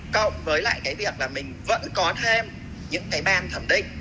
cộng với lại cái việc là mình vẫn có thêm những cái ban thẩm định